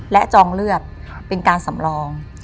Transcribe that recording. และจองเลือดเป็นการสำรอง